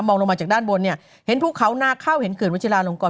มองลงมาจากด้านบนเห็นพวกเขาน่าเข้าเห็นเกินวัชยาลงกร